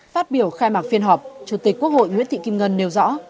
phát biểu khai mạc phiên họp chủ tịch quốc hội nguyễn thị kim ngân nêu rõ